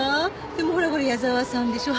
でもほらこれ矢沢さんでしょ